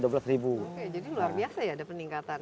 oke jadi luar biasa ya ada peningkatan